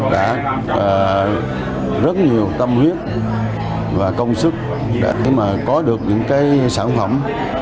đã rất nhiều tâm huyết và công sức để có được những sản phẩm